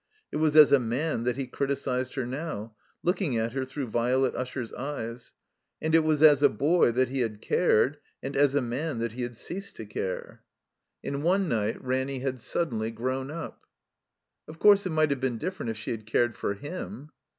It was as a man that he criticized her now, looking at her through Violet Usher's eyes. And it was as a boy that he had cared, and as a man that he had ceased to care. 86 THE COMBINED MAZE In one night Ranny had suddenly grown up. Of course, it might have been different if she had cared for him.